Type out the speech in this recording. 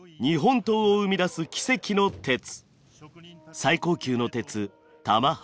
最高級の鉄玉鋼。